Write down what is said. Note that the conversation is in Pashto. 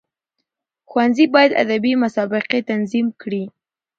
ښوونځي باید ادبي مسابقي تنظیم کړي.